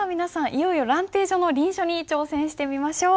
いよいよ「蘭亭序」の臨書に挑戦してみましょう。